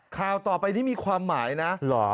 ข่าวต่อไปนี้มีความหมายนะ